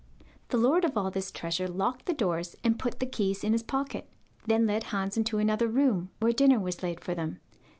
The lord of all this treasure locked the doors and put the keys in his pocket, then led Hans into another room, where dinner was laid for them.